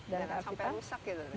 sampai rusak gitu